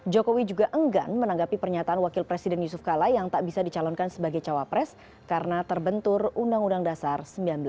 jokowi juga enggan menanggapi pernyataan wakil presiden yusuf kala yang tak bisa dicalonkan sebagai cawapres karena terbentur undang undang dasar seribu sembilan ratus empat puluh lima